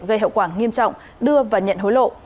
gây hậu quả nghiêm trọng đưa và nhận hối lộ